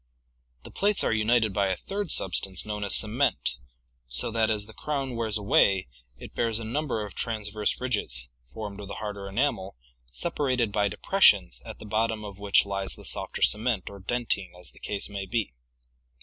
The plates are united by a third substance known as cement so that as the crown wears away it bears a num ber of transverse ridges, formed of the harder enamel, separated by depressions at the bottom of which lies the softer cement or dentine as the case may be.